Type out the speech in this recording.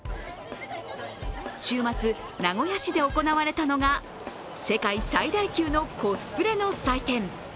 週末、名古屋市で行われたのが世界最大級のコスプレの祭典。